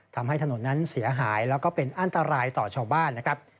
ทำให้ถนนนั้นเสียหายแล้วก็เป็นอันตรายต่อชาวบ้านนะครับ